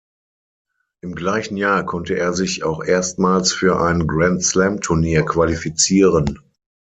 Im gleichen Jahr konnte er sich auch erstmals für ein Grand-Slam-Turnier qualifizieren.